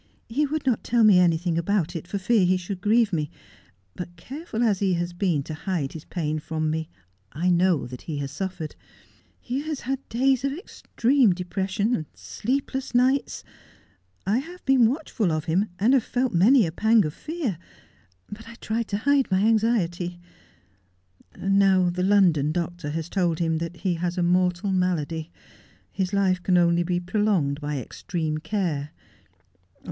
He would not tell me anything about it for fear he should grieve me, but careful as he has been to hido his pain from me, I know that he has suffered. He has had days of extreme depression ; sleepless nights. I have been watchful of him, and have felt many a pang of fear, but I have tried to hide my anxiety. And now the London doctor has told him that he has a mortal malady. His life can only be prolonged by extreme care.